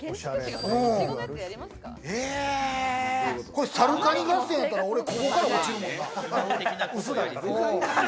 これ、さるかに合戦やったら俺ここから落ちるもん。